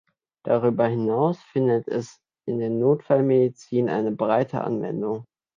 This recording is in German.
Darüber hinaus findet es in der Notfallmedizin eine breite Anwendung.